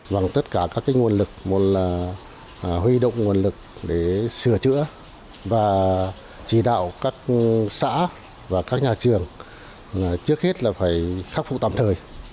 bằng tất cả các nguồn lực một là huy động nguồn lực để sửa chữa và chỉ đạo các xã và các nhà trường trước hết là phải khắc phục tạm thời